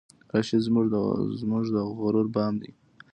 راشد زمونږه د غرور بام دی